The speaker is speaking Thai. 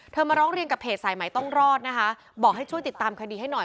มาร้องเรียนกับเพจสายใหม่ต้องรอดนะคะบอกให้ช่วยติดตามคดีให้หน่อย